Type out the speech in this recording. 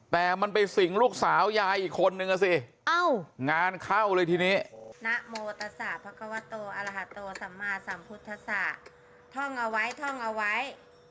แต่มันไปสิ่งลูกสาวยายอีกคนนึงสิงานเข้าเลยทีนี้